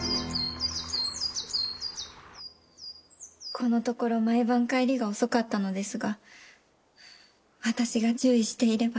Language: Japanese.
このところ毎晩帰りが遅かったのですが私が注意していれば。